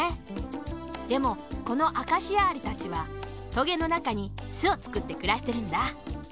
でもこのアカシアアリたちはトゲのなかにすをつくってくらしてるんだ。